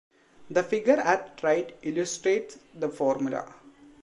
The figure at right illustrates the formula.